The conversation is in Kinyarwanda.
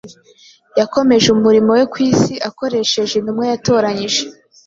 yakomeje umurimo we ku isi akoresheje intumwa yatoranyije